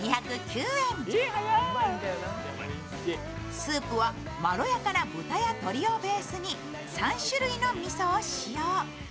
スープはまろやかな豚や鶏をベースに３種類のみそを使用。